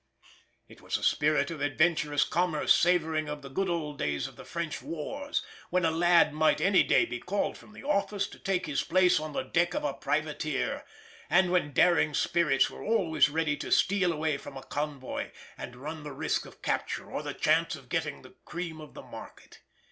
It was a spirit of adventurous commerce savouring of the good old days of the French wars, when a lad might any day be called from the office to take his place on the deck of a privateer, and when daring spirits were always ready to steal away from a convoy and run the risk of capture on the chance of getting the cream of the market.